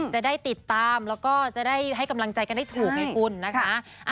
จะได้ติดตามแล้วก็จะได้ให้กำลังใจกันได้ถูกไงคุณนะคะ